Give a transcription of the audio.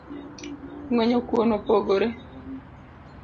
Ng’wenyo kuon opogore